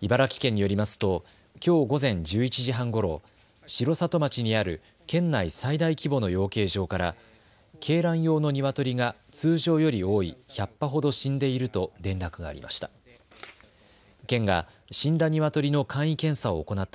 茨城県によりますときょう午前１１時半ごろ、城里町にある県内最大規模の養鶏場から鶏卵用のニワトリが通常より多い１００羽ほど死んでいると連絡がありました。